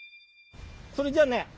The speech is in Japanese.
それじゃあね